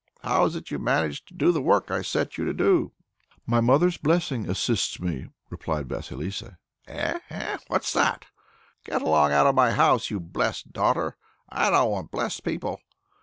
How is it you manage to do the work I set you to do?" "My mother's blessing assists me," replied Vasilissa. "Eh! eh! what's that? Get along out of my house, you bless'd daughter. I don't want bless'd people."